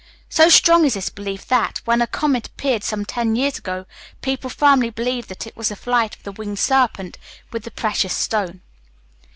So strong is this belief that, when a comet appeared some ten years ago, people firmly believed that it was the flight of the winged serpent with the precious stone."